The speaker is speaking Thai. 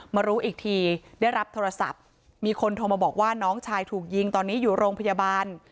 มารู้อีกทีได้รับโทรศัพท์มีคนโทรมาบอกว่าน้องชายถูกยิงตอนนี้อยู่โรงพยาบาล